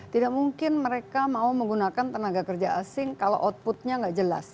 tidak mungkin mereka mau menggunakan tenaga kerja asing kalau outputnya nggak jelas